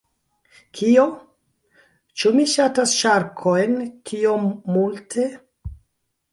Kio? Ĉu mi ŝatas ŝarkojn tiom multe?